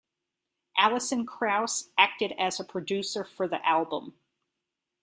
Alison Krauss acted as a producer for the album.